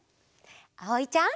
あおいちゃん。